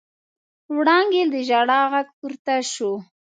وړانګې د ژړا غږ پورته شو.